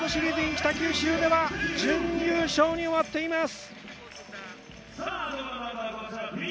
北九州では準優勝に終わっています。